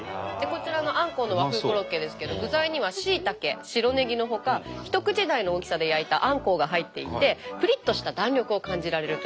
こちらのあんこうの和風コロッケですけれど具材にはしいたけ白ねぎのほか一口大の大きさで焼いたあんこうが入っていてぷりっとした弾力を感じられる。